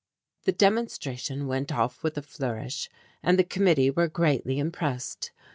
The demonstration went off with a flourish and the committee were greatly impressed.